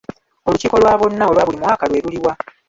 Olukiiko lwa bonna olwa buli mwaka lwe luliwa?